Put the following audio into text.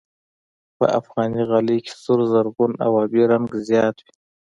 په افغاني غالۍ کې سور، زرغون او آبي رنګ زیات وي.